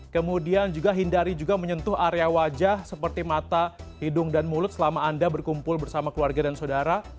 kemudian juga hindari juga menyentuh area wajah seperti mata hidung dan mulut selama anda berkumpul bersama keluarga dan saudara